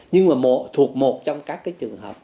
nhưng mà thuộc một trong các cái trường hợp